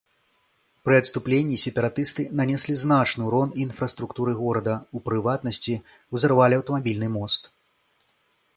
Пры адступленні сепаратысты нанеслі значны ўрон інфраструктуры горада, у прыватнасці, узарвалі аўтамабільны мост.